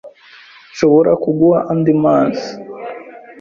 Nshobora kuguha andi mazi?